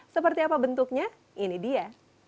seperti apa bentuknya ini dia